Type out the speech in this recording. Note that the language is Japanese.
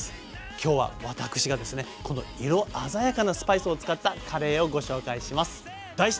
今日は私がですねこの色鮮やかなスパイスを使ったカレーをご紹介します。